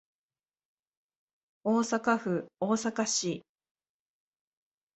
大阪府大阪市